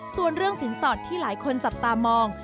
ส่วนเรื่องสินสอดที่หลายคนจับตามอง